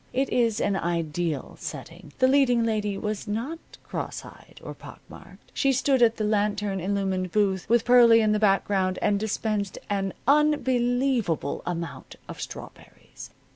It is an ideal setting. The leading lady was not cross eyed or pock marked. She stood at the lantern illumined booth, with Pearlie in the background, and dispensed an unbelievable amount of strawberries.